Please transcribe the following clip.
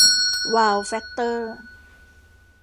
วาว แฟคเตอร์